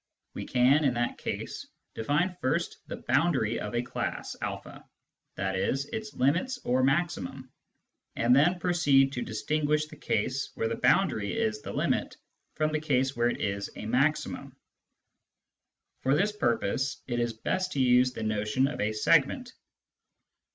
We can, in that case, define first the " boundary " of a class a, i.e. its limits or maximum, and then proceed to distinguish the case where the boundary is the limit from the case where it is a maximum. For this purpose it is best to use the notion of " segment."